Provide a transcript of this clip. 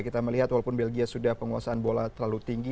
kita melihat walaupun belgia sudah penguasaan bola terlalu tinggi